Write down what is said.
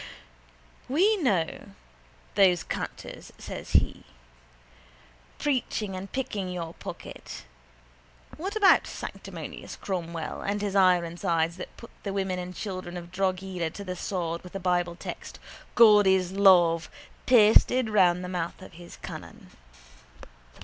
—We know those canters, says he, preaching and picking your pocket. What about sanctimonious Cromwell and his ironsides that put the women and children of Drogheda to the sword with the bible text God is love pasted round the mouth of his cannon?